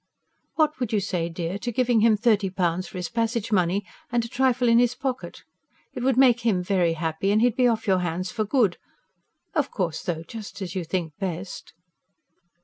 What would you say, dear, to giving him thirty pounds for his passage money and a trifle in his pocket? It would make him very happy, and he'd be off your hands for good. Of course, though, just as you think best."